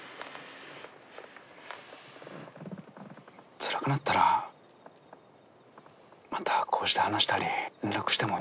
つらくなったらまたこうして話したり連絡してもいい？